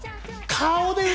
顔で！